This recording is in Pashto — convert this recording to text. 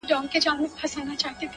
ستا لېونۍ خندا او زما له عشقه ډکه ژړا’